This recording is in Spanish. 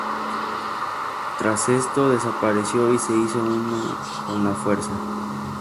Tras esto desapareció y se hizo uno con la Fuerza.